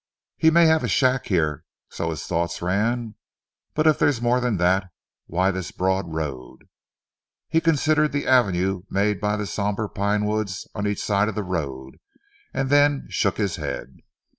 "He may have a shack here," so his thoughts ran, "but if there's more than that, why this broad road?" He considered the avenue made by the sombre pinewoods on each side of the road, and then shook his head.